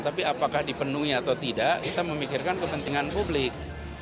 tapi apakah dipenuhi atau tidak kita memikirkan kepentingan publik